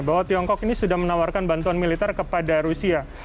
bahwa tiongkok ini sudah menawarkan bantuan militer kepada rusia